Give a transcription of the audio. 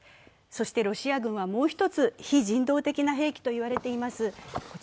そしてロシア軍はもう１つ、非人道的な兵器といわれています